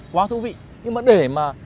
quá thú vị nhưng mà để mà